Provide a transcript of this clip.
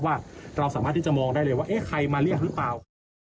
ว่าเราสามารถที่จะมองได้เลยว่าเอ๊ะใครมาเรียกหรือเปล่า